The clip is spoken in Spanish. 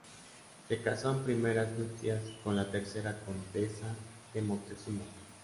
Se casó en primeras nupcias con la tercera condesa de Moctezuma.